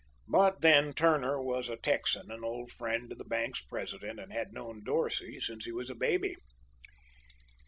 But, then, Turner was a Texan, an old friend of the bank's president, and had known Dorsey since he was a baby.